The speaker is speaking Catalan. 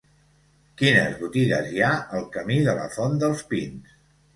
Quines botigues hi ha al camí de la Font dels Pins?